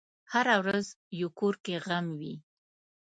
هره ورځ یو کور کې غم وي.